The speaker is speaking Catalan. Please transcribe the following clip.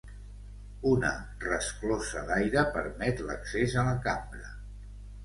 Una resclosa d'aire permet l'accés a la cambra.